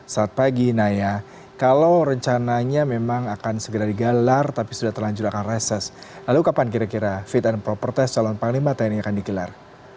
saat pagi naya kalau rencananya memang akan segera digalar tapi sudah terlanjur akan reses lalu kapan kira kira fit and proper test calon panglima tni akan digelar